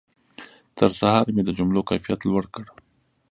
تر سهاره مې د جملو کیفیت لوړ کړ.